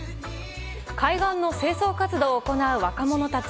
海岸の清掃活動を行う若者たち。